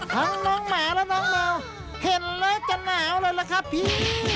น้องหมาและน้องแมวเห็นแล้วจะหนาวเลยล่ะครับพี่